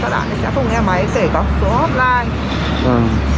thế khi về thì mình cũng không nghe máy để có số offline